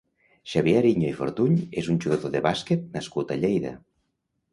Xavier Ariño i Fortuny és un jugador de bàsquet nascut a Lleida.